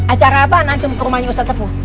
acara apaan antum ke rumahnya ustadz sefu